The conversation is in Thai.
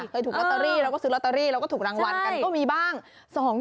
เคยถูกลอตเตอรี่แล้วก็ซื้อลอตเตอรี่แล้วก็ถูกรางวัลกันก็มีบ้าง